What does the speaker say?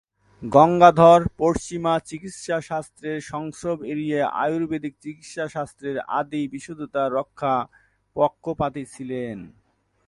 গঙ্গাধর পশ্চিমা চিকিৎসা শাস্ত্রের সংস্রব এড়িয়ে আয়ুর্বেদিক চিকিৎসাশাস্ত্রের আদি বিশুদ্ধতা রক্ষার পক্ষপাতী ছিলেন।